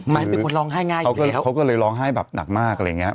ไมค์เป็นคนร้องไห้ง่ายอยู่แล้วเขาก็เลยร้องไห้แบบหนักมากอะไรอย่างนี้